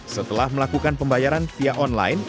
setelah melakukan pembayaran via online